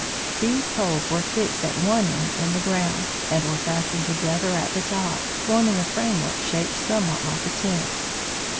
These poles were fixed at one end in the ground, and were fastened together at the top, forming a framework shaped somewhat like a tent.